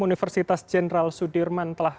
universitas jenderal sudirman telah